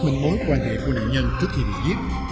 những mối quan hệ của nạn nhân trước khi bị giết